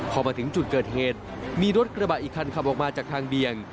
พอมาถึงจุดเกิดเหตุมีรถกระบะอีกคันขับออกมาจากทางเบียง